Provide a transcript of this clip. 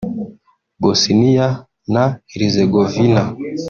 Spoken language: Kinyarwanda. Bosnia na Herzegovina